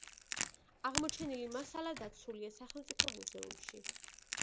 აღმოჩენილი მასალა დაცულია სახელმწიფო მუზეუმში.